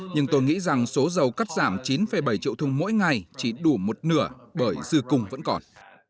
nhưng tôi nghĩ rằng số dầu cắt giảm chín bảy triệu thùng mỗi ngày chỉ đủ một nửa bởi dư cung vẫn còn